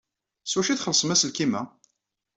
S wacu ay txellṣem aselkim-a?